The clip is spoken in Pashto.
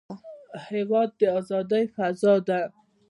هېواد د ازادۍ فضا ده.